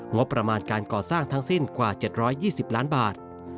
งบประมาณการก่อสร้างทั้งสิ้นกว่า๗๒๐ล้านบาท